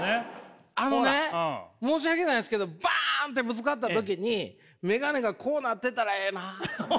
あのね申し訳ないですけどバーンってぶつかった時にメガネがこうなってたらええなあ。